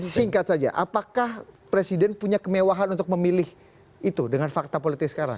singkat saja apakah presiden punya kemewahan untuk memilih itu dengan fakta politik sekarang